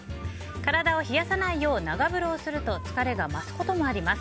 体を冷やさないよう長風呂をすると疲れが増すことがあります。